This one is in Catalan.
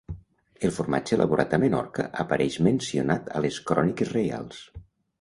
El formatge elaborat a Menorca apareix mencionat a les Cròniques reials.